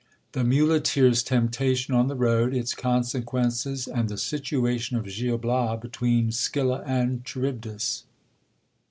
— The tincleteer's temptation on the road ; its consequences, and tlie situation of Gil Bias between Scylla and Chary bdis.